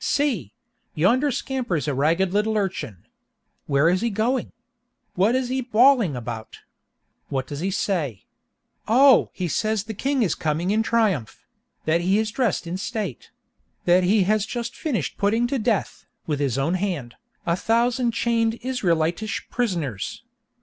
—see!—yonder scampers a ragged little urchin. Where is he going? What is he bawling about? What does he say? Oh! he says the king is coming in triumph; that he is dressed in state; that he has just finished putting to death, with his own hand, a thousand chained Israelitish prisoners!